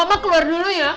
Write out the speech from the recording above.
oma keluar dulu ya